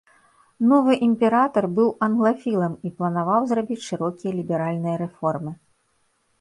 Новы імператар, быў англафілам і планаваў зрабіць шырокія ліберальныя рэформы.